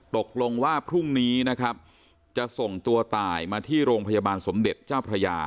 ตกลงว่าพรุ่งนี้นะครับจะส่งตัวตายมาที่โรงพยาบาลสมเด็จเจ้าพระยา